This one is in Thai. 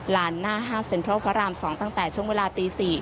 หน้าห้างเซ็นทรัลพระราม๒ตั้งแต่ช่วงเวลาตี๔